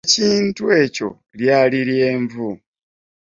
Ekintu ekyo lyali lyenvu.